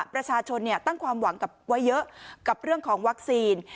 ประชาชนตั้งความหวังไว้เยอะกับเรื่องของวัคซีน